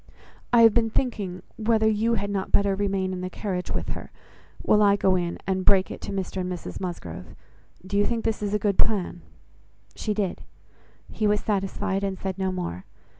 I have been thinking whether you had not better remain in the carriage with her, while I go in and break it to Mr and Mrs Musgrove. Do you think this is a good plan?" She did: he was satisfied, and said no more.